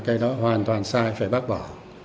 cái đó hoàn toàn sai phải bác bỏ